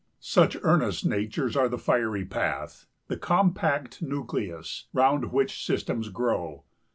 Such earnest natures are the fiery pith, The compact nucleus, round which systems grow!